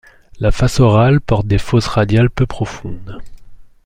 La face orale porte des fosses radiales peu profondes.